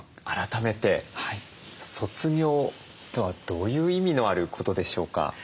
改めて卒業とはどういう意味のあることでしょうか？